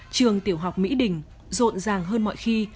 trường tiểu học mỹ đình rộn ràng hơn mọi khi